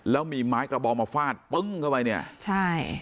แล้วมีไม้กระบองมาฟาดปึ้งเข้าไปเนี่ยใช่